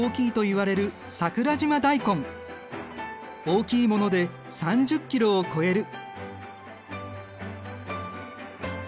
大きいもので３０ｋｇを超える。